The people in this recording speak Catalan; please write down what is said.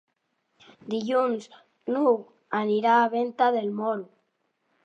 Dilluns n'Hug anirà a Venta del Moro.